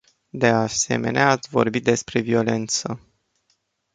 De asemenea, ați vorbit despre violență.